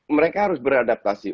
mereka harus beradaptasi